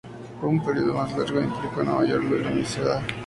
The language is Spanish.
Un período más largo implica una mayor luminosidad.